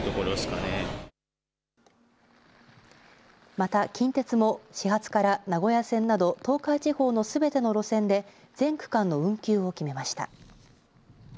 また近鉄も始発から名古屋線など、東海地方のすべての路線で、全区間の運休を決めました。